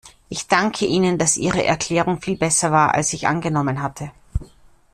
Ich danke Ihnen, dass Ihre Erklärung viel besser war, als ich angenommen hatte.